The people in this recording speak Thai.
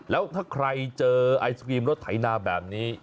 แล้วถ้าใครเจอไอศกรีมรถไถนาแบบนี้